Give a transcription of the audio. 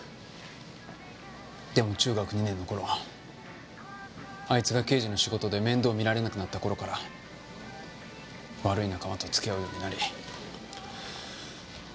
でも中学２年の頃あいつが刑事の仕事で面倒を見られなくなった頃から悪い仲間と付き合うようになり何度も補導されて。